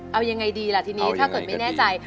เอายังไงดีล่ะทีนี้ถ้าเกิดไม่แน่ใจ